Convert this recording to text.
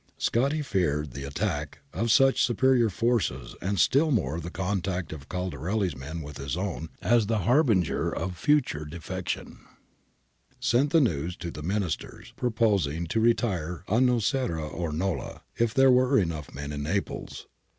Scotti, fearing the attack of such superior forces and still more the contact of Caldarelli's men with his own as the harbinger of further defection, sent the news to the Ministers proposing to retire on Nocera or Nola, if there were enough men in Naples.